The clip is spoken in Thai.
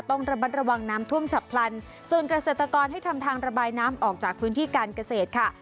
ต้องระมัดระวังน้ำท่วมฉับพลันส่วนเกษตรกรให้ทำทางระบายน้ำออกจากพื้นที่การเกษตรค่ะ